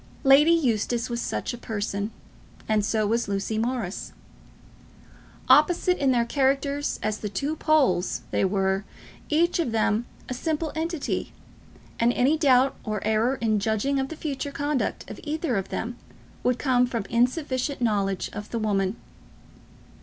Lady Eustace was such a person, and so was Lucy Morris. Opposite in their characters as the two poles, they were, each of them, a simple entity; and any doubt or error in judging of the future conduct of either of them would come from insufficient knowledge of the woman.